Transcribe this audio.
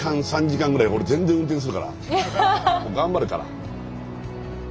もう頑張るから。